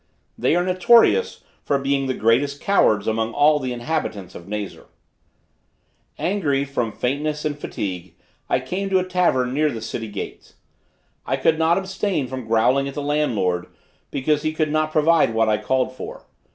They are notorious for being the greatest cowards among all the inhabitants of Nazar. Angry, from faintness and fatigue, I came to a tavern near the city gates. I could not abstain from growling at the landlord because he could not provide what I called for.